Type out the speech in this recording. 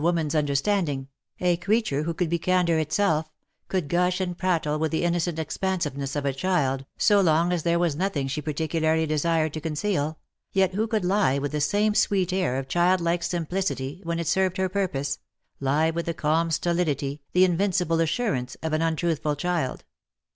woman^s understanding — a creature who could be candour itself — could gush and prattle with the innocent expansiveness of a child, so long as there was nothing she particularly desired to conceal — yet who could lie with the same sweet air of child like simplicity, when it served her purpose — lie with the calm stolidity, the invincible assurance, of an un truthful child.